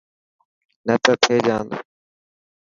نه ته ٿي جاند.